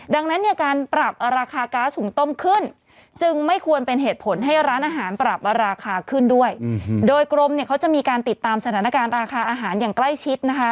ดังนั้นเนี่ยการปรับราคาก๊าซหุงต้มขึ้นจึงไม่ควรเป็นเหตุผลให้ร้านอาหารปรับราคาขึ้นด้วยโดยกรมเนี่ยเขาจะมีการติดตามสถานการณ์ราคาอาหารอย่างใกล้ชิดนะคะ